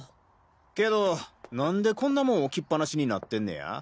けど何でこんなもん置きっ放しになってんねや？